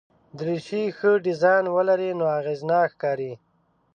دریشي ښه ډیزاین ولري نو اغېزناک ښکاري.